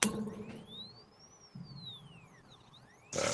Wanyama huchechemea wakiugua ugonjwa wa miguu na midomo